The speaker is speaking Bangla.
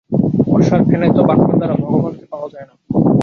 অসার ফেনায়িত বাক্যের দ্বারা ভগবানকে পাওয়া যায় না।